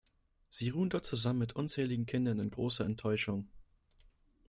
Sie ruhen dort zusammen mit unzähligen Kindern in großer Enttäuschung.